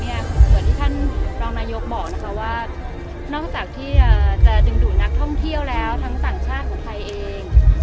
เหมือนท่านรองนายกบอกนะคะว่านอกจากที่จะดึงดูดนักท่องเที่ยวแล้วทั้งสถานชาติประวัติศาสตร์ของไทยเอง